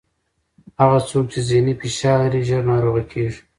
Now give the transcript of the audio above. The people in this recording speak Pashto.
هغه څوک چې ذهني فشار لري، ژر ناروغه کېږي.